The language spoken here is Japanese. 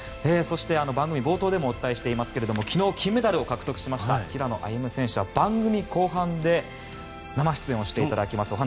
そして番組冒頭でもお伝えしていますが昨日、金メダルを獲得しました平野歩夢選手は番組後半で生出演をしていただきます。